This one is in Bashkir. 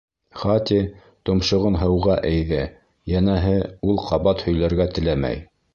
Хати томшоғон һыуға эйҙе, йәнәһе, ул ҡабат һөйләргә теләмәй.